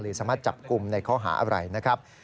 สามารถจับกลุ่มในข้อหาอะไรนะครับ